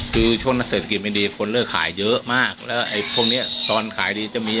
เพราะว่ามันไม่มีราคาค่างวตอะไร